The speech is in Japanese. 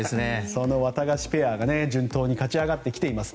そのワタガシペアが順当に勝ち上がってきています。